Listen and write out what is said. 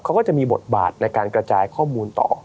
เขาก็จะมีบทบาทในการกระจายข้อมูลต่อ